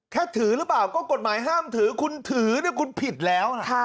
ถือหรือเปล่าก็กฎหมายห้ามถือคุณถือคุณผิดแล้วนะ